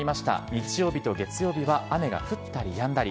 日曜日と月曜日は雨が降ったりやんだり。